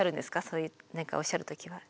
そういう何かおっしゃる時は。